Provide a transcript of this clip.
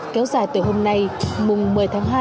kéo dài từ hôm nay mùng một mươi tháng hai